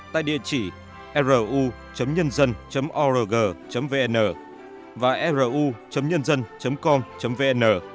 tại địa chỉ ru nhân dân org vn và ru nhân dân com vn